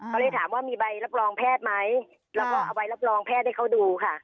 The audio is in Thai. ก็เลยถามว่ามีใบรับรองแพทย์ไหมแล้วก็เอาใบรับรองแพทย์ให้เขาดูค่ะ